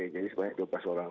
jadi sebanyak dua belas orang